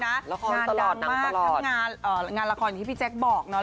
งานดังมากทั้งงานละครอย่างที่พี่แจ๊คบอกเนาะ